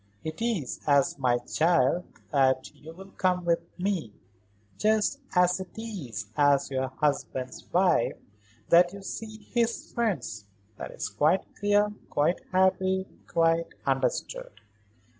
It is as my child that you will come with me; just as it is as your husband's wife that you see his friends. That is quite clear, quite happy, quite understood."